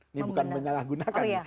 ini bukan mengalah gunakan